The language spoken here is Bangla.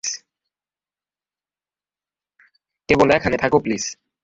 কেবল এখানে থাকো, প্লিজ।